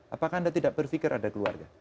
apakah anda tidak berpikir ada keluarga